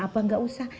abah nggak usah